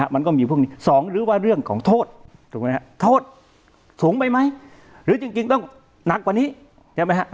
มันก็มีพวกนี้สองหรือว่าเรื่องของโทษโทษสูงไปไหมหรือจริงต้องหนักกว่านี้